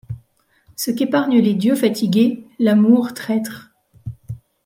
Ce qu’épargnent les dieux fatigués, l’amour traître.